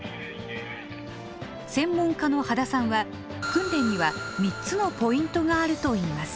専門家の秦さんは訓練には３つのポイントがあるといいます。